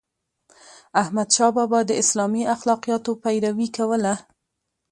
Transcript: احمدشاه بابا د اسلامي اخلاقياتو پیروي کوله.